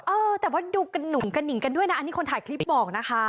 เออแต่ว่าดูกระหนุ่งกระหนิงกันด้วยนะอันนี้คนถ่ายคลิปบอกนะคะ